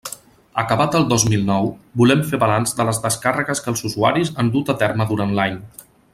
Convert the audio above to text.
Acabat el dos mil nou, volem fer balanç de les descàrregues que els usuaris han dut a terme durant l'any.